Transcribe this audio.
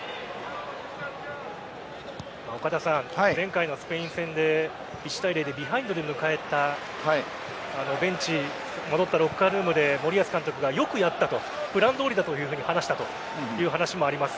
岡田さん、前回のスペイン戦で１対０でビハインドで迎えたベンチ、戻ったロッカールームで森保監督が、よくやったとプランどおりだと話したという話もあります。